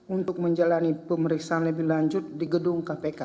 untuk menjalani pemeriksaan lebih lanjut di gedung kpk